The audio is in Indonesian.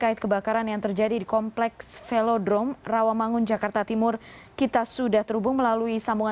itu yang penting ditanya